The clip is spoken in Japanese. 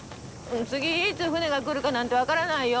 次いつ船が来るかなんて分からないよ。